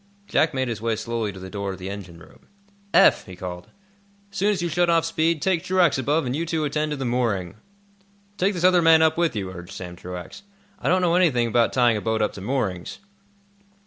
Jack made his way slowly to the door of the engine room. "Eph," he called, "as soon as you've shut off speed, take Truax above and you two attend to the mooring." "Take this other man up with you," urged Sam Truax. "I don't know anything about tying a boat up to moorings."